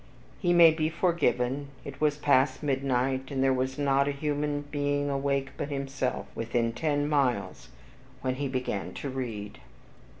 He may be forgiven, it was past midnight, and there was not a human being awake but himself within ten miles when he began to read.